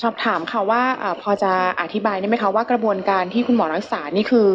พี่ขออธิบายได้ไหมว่ากระบวนการที่คุณหมอรักษานี่คือ